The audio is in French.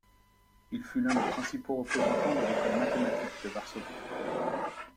Il fut l'un des principaux représentants de l'École mathématique de Varsovie.